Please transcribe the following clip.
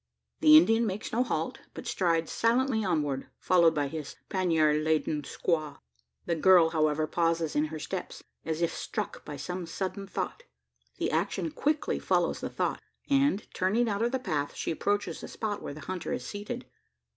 The Indian makes no halt, but strides silently onward, followed by his pannier laden squaw. The girl, however, pauses in her steps as if struck by some sudden thought. The action quickly follows the thought; and, turning out of the path, she approaches the spot where the hunter is seated.